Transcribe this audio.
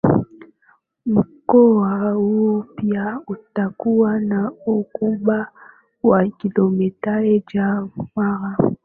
mkoa huo mpya utakuwa na ukubwa wa kilomita za mraba